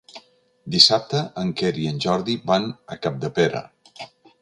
Dissabte en Quer i en Jordi van a Capdepera.